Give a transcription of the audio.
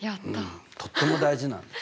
うんとっても大事なんです。